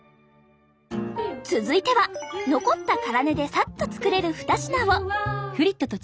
続いては残った辛根でさっと作れる２品を。